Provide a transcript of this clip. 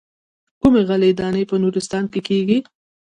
کومې غلې دانې په نورستان کې کېږي.